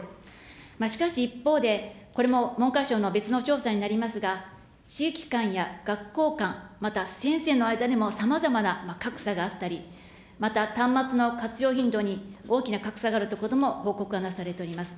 しかし一方で、これも文科省の別の調査になりますが、地域間や学校間、また先生の間にもさまざまな格差があったり、また端末の活用頻度に大きな格差があるということも報告がなされております。